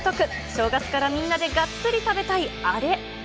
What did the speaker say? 正月からみんなでがっつり食べたいあれ。